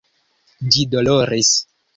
Ĝi doloris.